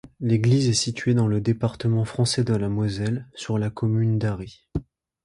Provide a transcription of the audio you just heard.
L'église est située dans le département français de la Moselle, sur la commune d'Arry.